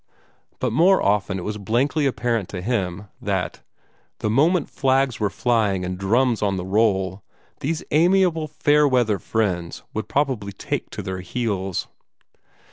But more often it was blankly apparent to him that, the moment flags were flying and drums on the roll, these amiable fair weather friends would probably take to their heels.